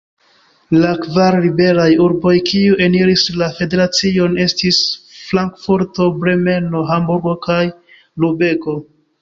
La kvar liberaj urboj, kiuj eniris la federacion, estis Frankfurto, Bremeno, Hamburgo kaj Lubeko.